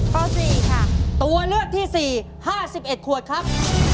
ข้อสี่ค่ะตัวเลือกที่สี่ห้าสิบเอ็ดขวดครับ